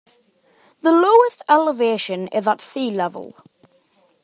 The lowest elevation is at sea level.